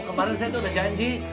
kemarin saya tuh udah janji